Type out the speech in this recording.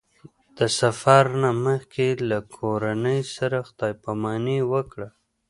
د سفر نه مخکې له کورنۍ سره خدای پاماني وکړه.